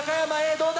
どうだ？